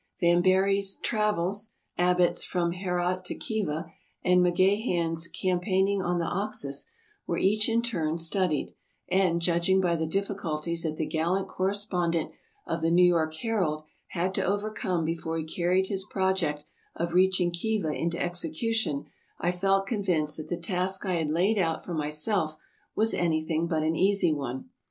Vambery's "Travels," Abbott's " From Herat to Khiva, " and MacGahan's " Campaigning on the Oxus," were each in turn studied, and, judging by the difficulties that the gallant correspondent of the "New York Herald " had to overcome before he carried his project of reaching Khiva into execution, I felt convinced that the task I had laid out for myself was anything but an easy one.